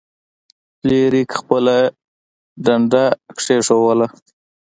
فلیریک خپله ډنډه کیښودله.